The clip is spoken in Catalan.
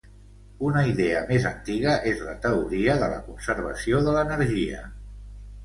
Una idea més antiga és la teoria de la "conservació de l'energia".